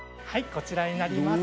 こちらになります。